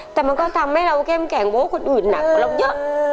แต่มันก็ทำให้เราแก้มแกร่งโว้คนอื่นหนักรอบเยอะ